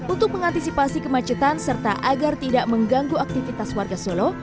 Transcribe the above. untuk mengantisipasi kemacetan serta agar tidak mengganggu aktivitas warga solo